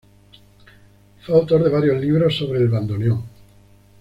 Fue autor de varios libros sobre el bandoneón.